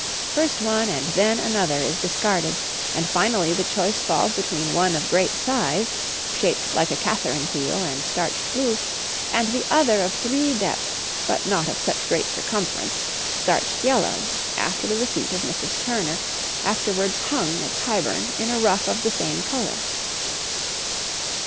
First one and then another is discarded; and finally the choice falls between one of great size, shaped like a catherine wheel and starched blue, and the other of three depths but not of such great circumference, starched yellow, after the receipt of Mrs. Turner, afterwards hung at Tyburn in a ruff of the same colour.